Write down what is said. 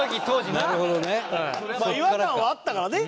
違和感はあったからね。